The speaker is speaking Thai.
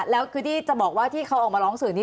แล้วคือที่จะบอกว่าที่เขาออกมาร้องสื่อนี้